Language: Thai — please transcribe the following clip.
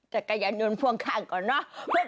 แต่ก็อย่าโน้นพ่วงข้างก่อนเนอะ